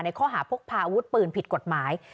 ข้อหาพกพาอาวุธปืนผิดกฎหมาย